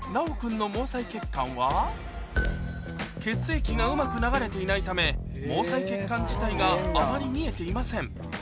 一方血液がうまく流れていないため毛細血管自体があまり見えていません